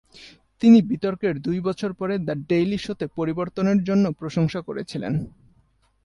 তিনি বিতর্কের দুই বছর পরে "দ্য ডেইলি শো"তে পরিবর্তনের জন্য প্রশংসা করেছিলেন।